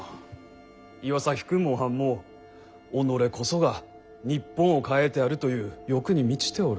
岩崎君もおはんも己こそが日本を変えてやるという欲に満ちておる。